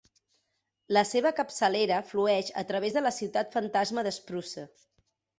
La seva capçalera flueix a través de la ciutat fantasma de Spruce.